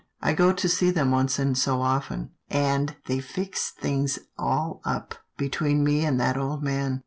I go and see them once in so often, and they fixed things all up between me and that old man."